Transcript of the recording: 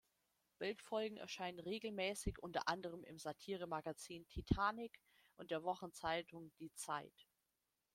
Bildfolgen erscheinen regelmäßig unter anderem im Satiremagazin "Titanic" und der Wochenzeitung "Die Zeit".